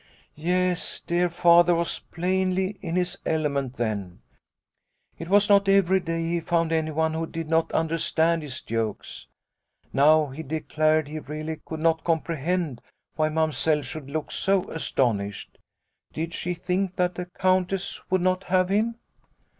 " Yes, dear Father was plainly in his element then. It was not every day he found anyone 48 Liliecrona's Home who did not understand his jokes. Now he declared he really could not comprehend why Mamsell should look so astonished. Did she think that the Countess would not have him